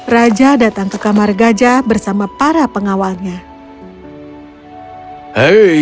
raja datang ke kamar gajah bersama para pengawalnya